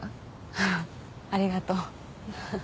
うんありがとう